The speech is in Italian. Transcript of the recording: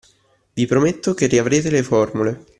Vi prometto che riavrete le formule.